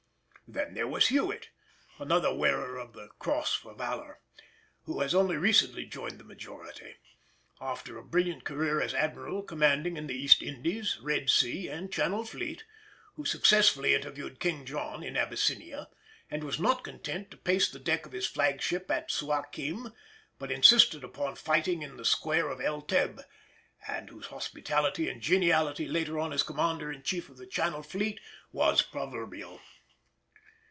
Then there was Hewett, another wearer of the "cross for valour," who has only recently joined the majority, after a brilliant career as Admiral commanding in the East Indies, Red Sea, and Channel Fleet; who successfully interviewed King John in Abyssinia, and was not content to pace the deck of his flagship at Suakim, but insisted upon fighting in the square at El Teb, and whose hospitality and geniality later on as Commander in Chief of the Channel Fleet was proverbial.